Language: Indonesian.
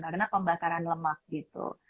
karena pembakaran lemak gitu